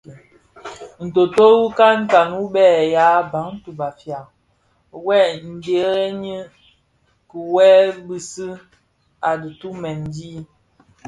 Ntôôtô wu nkankan wu bë ya Bantu (Bafia) wuè dhëňdhëni kigwèl bi bisi a ditumen di.